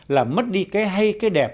là mất đi cái hay cái đẹp